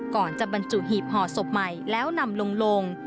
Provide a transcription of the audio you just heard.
ก่อนจะบรรจุหีบห่อศพใหม่แล้วนำลง